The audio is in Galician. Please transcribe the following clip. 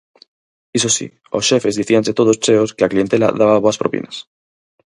Iso si, os xefes dicíanche todos cheos que a clientela daba boas propinas.